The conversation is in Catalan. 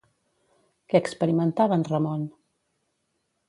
Què experimentava en Ramon?